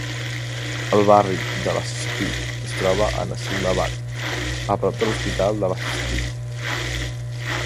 El barri d'Abbasi Shaheed es troba a Nazimabad, prop de l'Hospital d'Abbasi Shaheed.